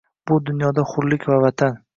Bu dunyoda hurlik va Vatan